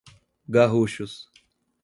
Garruchos